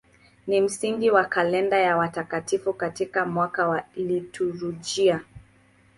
Ni msingi wa kalenda ya watakatifu katika mwaka wa liturujia.